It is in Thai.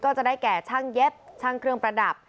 ก็จะได้แก่ช่างเย็บช่างเครื่องประดับ